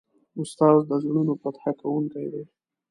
استاد د زړونو فتح کوونکی دی.